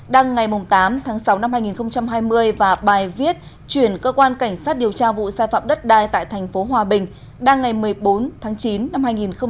đăng ngày tám tháng sáu năm hai nghìn hai mươi và bài viết chuyển cơ quan cảnh sát điều tra vụ sai phạm đất đai tại tp hòa bình đăng ngày một mươi bốn tháng chín năm hai nghìn hai mươi